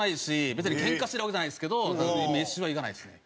別にケンカしてるわけじゃないですけど飯は行かないですね。